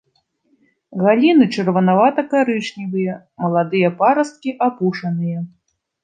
Галіны чырванавата-карычневыя, маладыя парасткі апушаныя.